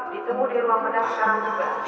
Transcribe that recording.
ditemu di rumah pendakwaan juga